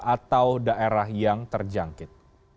atau daerah yang terjangkit